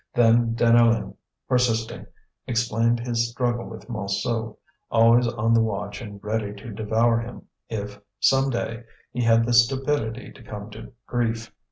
Then Deneulin, persisting, explained his struggle with Montsou, always on the watch and ready to devour him if, some day, he had the stupidity to come to grief.